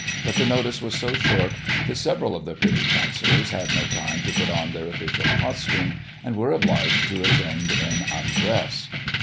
but the notice was so short that several of the Privy Coun cillors had no time to put on their official costume, and were obliged to attend in tmdress.